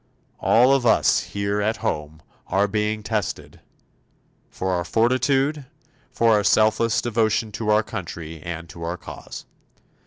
All of us here at home are being tested for our fortitude, for our selfless devotion to our country and to our cause.